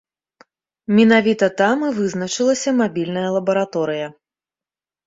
Менавіта там і вызначылася мабільная лабараторыя.